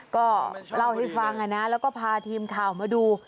ก็เล่าให้ฟังนะแล้วก็พาทีมข่าวมาดู